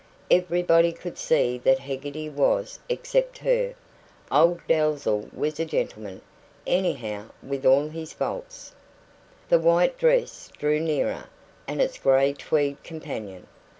Everybody could see what Heggarty was, except her. Old Dalzell was a gentleman, anyhow, with all his faults." The white dress drew nearer, and its grey tweed companion.